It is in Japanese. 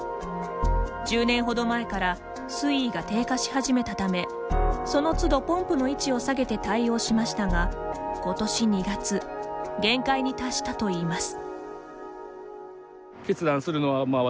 １０年ほど前から水位が低下し始めたためそのつどポンプの位置を下げて対応しましたが今年２月限界に達したといいます。